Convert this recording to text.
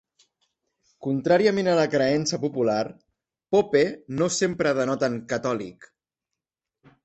Contràriament a la creença popular, "Pope" no sempre denoten "catòlic.